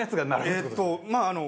えっとまああの。